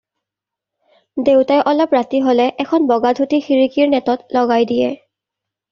দেউতাই অলপ ৰাতি হলে এখন বগা ধুতি খিৰিকীৰ নেটত লগাই দিয়ে।